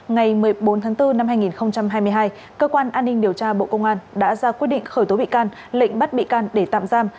ngày một mươi bốn tháng bốn năm hai nghìn hai mươi hai cơ quan an ninh điều tra bộ công an đã ra quyết định khởi tố bị can lệnh bắt bị can để tạm giam